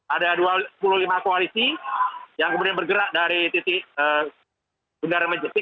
ada dua puluh lima koalisi yang kemudian bergerak dari titik bundaran mejepit